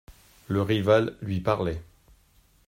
Le Rival lui parlait.